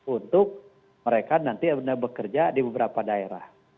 untuk mereka nanti bekerja di beberapa daerah